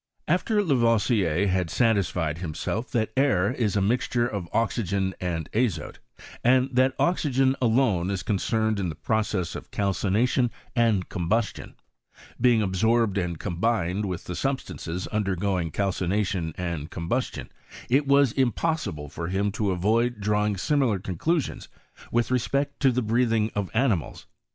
After Lavoisier had satisfied himself that air is a mixture of oxygen and azote, and that oxygen alone is concerned in the processes of calcination and combustion, being absorbed and combined with the Bubstances undergoing calcination and combustion, it was impossible for him to avoid drawing similar conclusions with respect to the breathing of animedE.